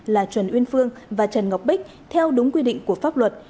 là trần uyên phương và trần ngọc bích theo đúng quy định của pháp luật